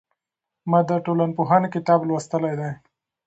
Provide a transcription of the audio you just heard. ما د ټولنپوهنې کتاب لوستلی دی.